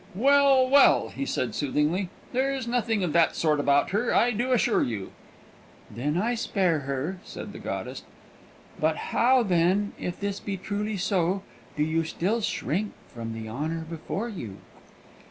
"Well, well," he said soothingly, "there's nothing of that sort about her, I do assure you." "Then I spare her," said the goddess. "But how, then, if this be truly so, do you still shrink from the honour before you?"